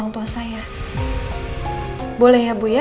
mungkin harus bebas dari bagian kecil aja ya